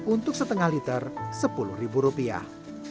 untuk setengah liter sepuluh ribu rupiah